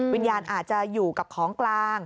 วิญญาณอาจจะอยู่กับของกลาง